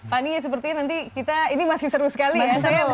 fanny sepertinya nanti kita ini masih seru sekali ya